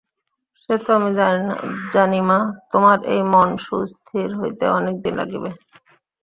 সে তো আমি জানি মা, তোমার এই মন সুস্থির হইতে অনেক দিন লাগিবে।